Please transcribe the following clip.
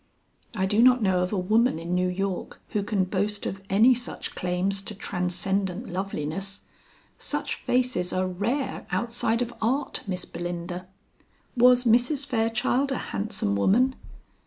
"I do not know of a woman in New York who can boast of any such claims to transcendent loveliness. Such faces are rare outside of art, Miss Belinda; was Mrs. Fairchild a handsome woman?"